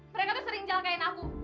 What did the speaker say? mereka tuh sering jangkain aku